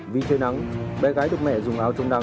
vì thế nào tôi đã mặc áo chống nắng và tôi đã mặc áo chống nắng